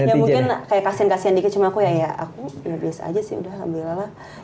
ya mungkin kayak kasihan kasihan dikit cuma aku ya ya aku udah biasa aja sih udah alhamdulillah lah